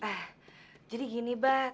ah jadi gini mbak